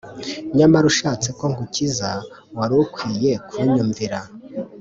Nyamara ushatse ko ngukiza wari ukwiye kunyumvira